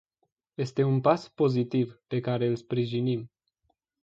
Este un pas pozitiv, pe care îl sprijinim.